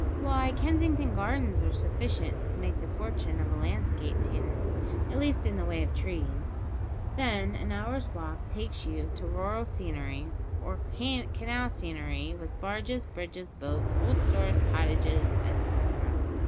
Why, Kensington Gardens are sufficient to make the fortune of a landscape painter at least in the way of trees; then an hour's walk takes you to rural scenery, or canal scenery, with barges, bridges, boats, old stores, cottages, etcetera.